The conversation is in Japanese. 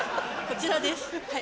こちらです。